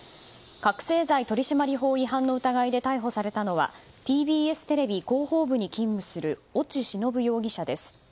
覚醒剤取締法違反の疑いで逮捕されたのはＴＢＳテレビ広報部に勤務する越智忍容疑者です。